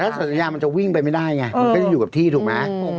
แต่ถ้าเสาสัญญามันจะบินไปไม่ได้ไงก็จะอยู่ใบ้ที่ถูกไหม